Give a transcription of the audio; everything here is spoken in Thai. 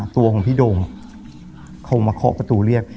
ตัวของพี่โด่งเขามาเคาะประตูเรียก